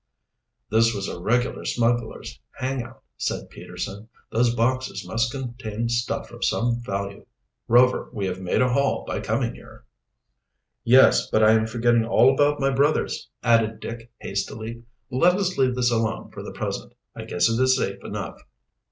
"This was a regular smugglers' hangout," said Peterson. "Those boxes must contain stuff of some value. Rover, we have made a haul by coming here." "Yes, but I am forgetting all about my brothers," added Dick hastily. "Let us leave this alone for the present. I guess it is safe enough."